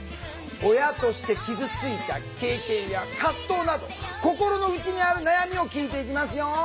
親として傷ついた経験や葛藤など心の内にある悩みを聞いていきますよ。